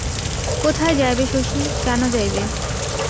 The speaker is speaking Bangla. কোথায় যাইবে শশী, কেন যাইবে?